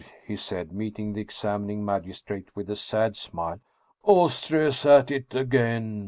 " he said, meet ing the examining magistrate with a sad smile. " Austria is at it again